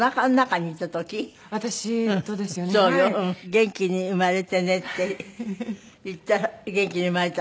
「元気に生まれてね」って言ったら元気に生まれた？